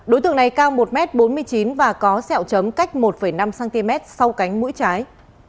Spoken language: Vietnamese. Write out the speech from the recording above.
đối tượng này cao một m bốn mươi chín và có sẹo chấm cách một năm cm sau cánh mũi trái